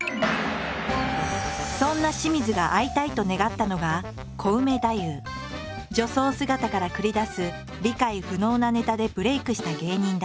そんな清水が会いたいと願ったのが女装姿から繰り出す理解不能なネタでブレイクした芸人だ。